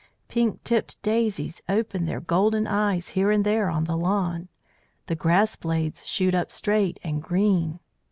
Pink tipped daisies open their golden eyes here and there on the lawn; the grass blades shoot up straight and green.